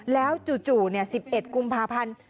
แล้วจู่สิบเอ็ดกุมภาพันธ์